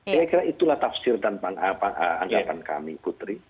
saya kira itulah tafsir dan anggapan kami putri